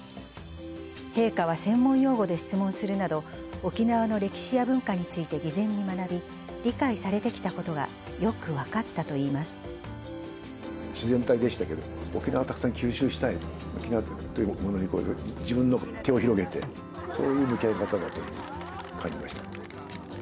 陛下は専門用語で質問するなど、沖縄の歴史や文化について事前に学び、理解されてきたことがよく自然体でしたけれども、沖縄、たくさん吸収したいと、沖縄というものに自分の手を広げて、そういう向き合い方だと感じました。